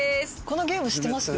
このゲーム知ってます？